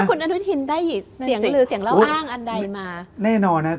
คุณอนุทินท์ได้เสียงเล่าอ้างอันใดมา